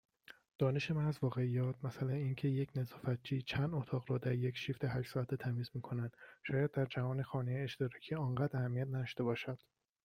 دانش من از واقعیات، مثلا این که، یک نظافتچی چند اتاق را در یک شیفت هشت ساعته تمیز میکند، شاید در جهان خانه-اشتراکی آنقدر اهمیت نداشته باشد